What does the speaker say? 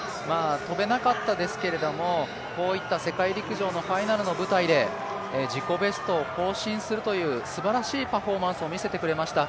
跳べなかったですけれどもこういった世界陸上のファイナルの舞台で自己ベストを更新するというすばらしいパフォーマンスを見せてくれました。